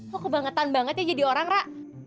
lo kebangetan banget ya jadi orang ra